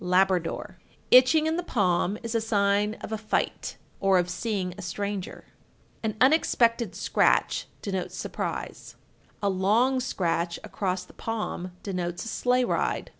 Labrador. 1363. Itching in the palm is a sign of a fight, or of seeing a stranger. 1364. An unexpected scratch denotes surprise. 1365. A long scratch across the palm denotes a sleigh ride.